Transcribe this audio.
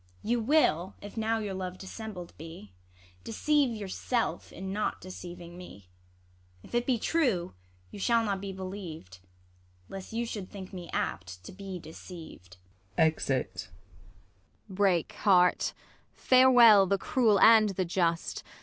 You will, if now your love dissembled be, Deceive yourself in not deceiving me. If it be true, you shall not be believ'd. Lest you should think me apt to be deceiv'd. [Exit. Ano. Break heart ! farewell the cruel and the just